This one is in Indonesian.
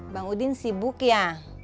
bang udin sibuk ya